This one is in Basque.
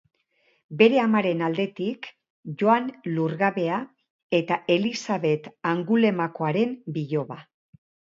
Bere amaren aldetik Joan Lurgabea eta Elisabet Angulemakoaren biloba.